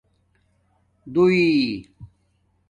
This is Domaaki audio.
دُݸݵ